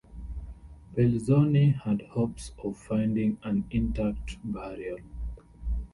Belzoni had hopes of finding an intact burial.